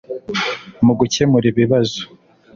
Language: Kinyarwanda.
mu gukemura ibibazo